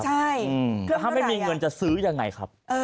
ใช่เครื่องเท่าไหร่ถ้าไม่มีเงินจะซื้อยังไงครับ